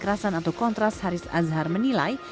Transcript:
kekerasan atau kontras haris azhar menilai